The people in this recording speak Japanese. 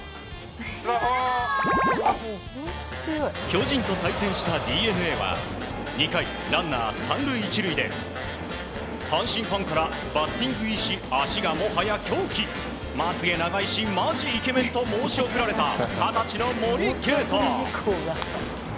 巨人と対戦したＤｅＮＡは２回、ランナー３塁１塁で阪神ファンからバッティングいいし足がもはや凶器まつ毛長いしマジイケメンと申し送られた二十歳の森敬斗。